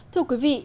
thưa quý vị